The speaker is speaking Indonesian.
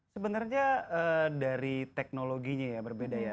sebenarnya dari teknologinya ya berbeda ya